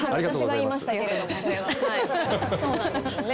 そうなんですね。